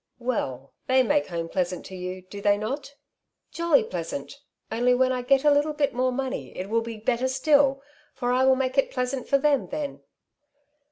''Well! they make home pleasant to you, do they not?" *' Jolly pleasant — only when I get a little more money it will be better still, for I will make it pleasant for them then."